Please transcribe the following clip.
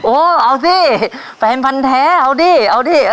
เอาสิแฟนพันธ์แท้เอาดิเอาดิ